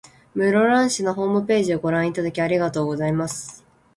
室蘭市のホームページをご覧いただき、ありがとうございます。